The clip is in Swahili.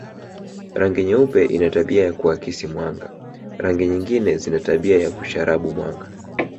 Rangi nyeupe ina tabia ya kuakisi mwanga rangi nyingine zina tabia ya kusharabu mwanga